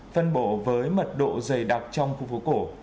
phân bổ với mật độ dày đặc trong khu phố cổ